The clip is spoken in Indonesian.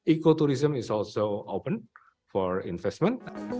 eko turisme juga terbuka untuk investasi